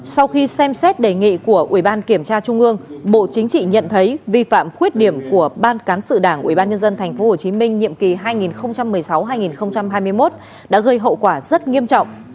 sau khi xem xét đề nghị của ubnd tp hcm bộ chính trị nhận thấy vi phạm khuyết điểm của ban cán sự đảng ubnd tp hcm nhiệm kỳ hai nghìn một mươi sáu hai nghìn hai mươi một đã gây hậu quả rất nghiêm trọng